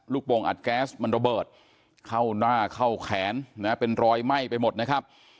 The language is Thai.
โปรงอัดแก๊สมันระเบิดเข้าหน้าเข้าแขนนะเป็นรอยไหม้ไปหมดนะครับ